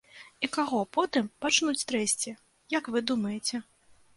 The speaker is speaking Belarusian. І каго потым пачнуць трэсці, як вы думаеце?